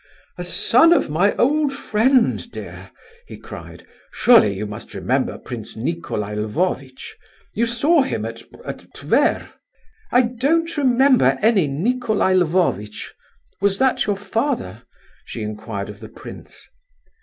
"A son of my old friend, dear," he cried; "surely you must remember Prince Nicolai Lvovitch? You saw him at—at Tver." "I don't remember any Nicolai Lvovitch. Was that your father?" she inquired of the prince.